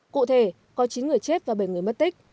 cụ thể có chín người chết và bảy người mất tích